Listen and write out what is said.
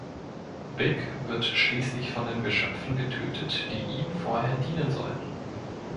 Big wird schließlich von den Geschöpfen getötet, die ihm vorher dienen sollten.